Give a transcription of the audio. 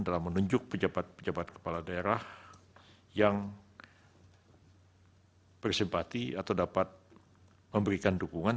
dalam menunjuk pejabat pejabat kepala daerah yang bersimpati atau dapat memberikan dukungan